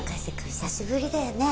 久しぶりだよね